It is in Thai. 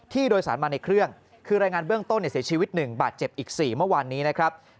โดยสารมาในเครื่องคือรายงานเบื้องต้นเสียชีวิต๑บาทเจ็บอีก๔เมื่อวานนี้นะครับ